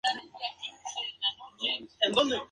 El Distrito de Ludwigsburg tiene parte en la meseta del Neckar.